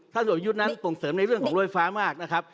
ท่านอุปยุทธ์นั้นตรงเสริมในเรื่องของโรยไฟฟ้ามากนะครับ